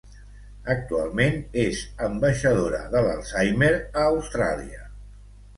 Actualment és ambaixadora de l'Alzheimer a Austràlia.